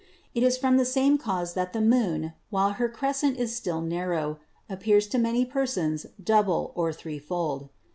It is from the same cause that the moon, while her crescent is still narrow, appears to many per sons double or threefold."